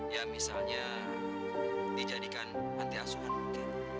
ya misalnya dijadikan anti asuhan mungkin